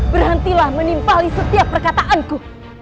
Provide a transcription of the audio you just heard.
berhentilah menimpali setiap perkataanku